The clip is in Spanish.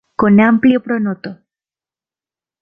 Con amplio pronoto.